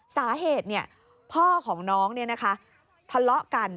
สาเหตุพ่อของน้องทะเลาะกัน